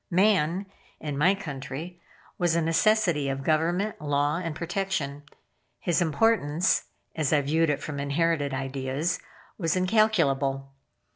Man, in my country, was a necessity of government, law, and protection. His importance, (as I viewed it from inherited ideas) was incalculable.